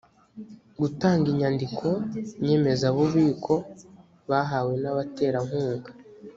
gutanga inyandiko nyemezabubiko bahawe n’abaterankunga